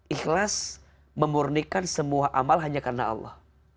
ikhlas memurnikan semua amal hanya karena allah